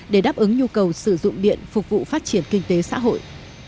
để đáp ứng nhu cầu sử dụng điện phục vụ phát triển kinh tế xã hội